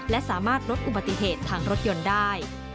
และสามารถลดอุบัติเหตุทางรถยนต์ได้